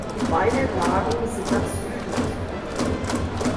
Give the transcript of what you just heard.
Beide Lagen sind nach Süden ausgerichtet.